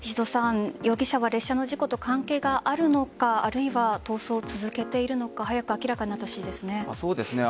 容疑者は列車の事故と関係があるのかあるいは逃走を続けているのか早く明らかになってほしいですね。